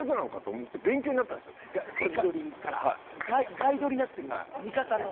ガイドになってるんだ見方の。